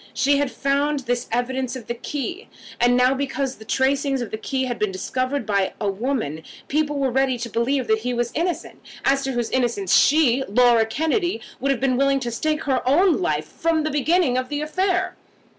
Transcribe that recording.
She had found this evidence of the key, and now because the tracings of a key had been discovered by a woman, people were ready to believe that he was innocent, as to whose innocence she, Laura Kennedy, would have been willing to stake her own life from the beginning of the affair!